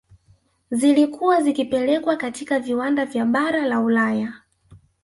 Zilikuwa zikipelekwa katika viwanda vya bara la Ulaya